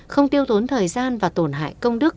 không tiêu tốn thời gian và tổn hại công đức